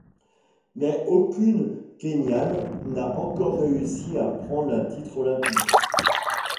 Mais aucune kényane n'a encore réussi à prendre un titre olympique.